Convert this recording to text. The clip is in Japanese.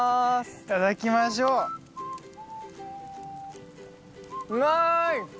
いただきましょううまーい！